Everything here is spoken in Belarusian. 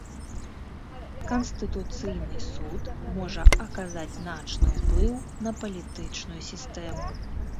Канстытуцыйны суд можа аказаць значны ўплыў на палітычную сістэму.